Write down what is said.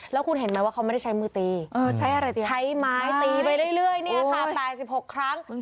แล้วคุณเห็นไหมว่าเขาไม่ได้ใช้มือตีใช้ไม้ตีไปเรื่อยเนี่ยค่ะ๘๖ครั้ง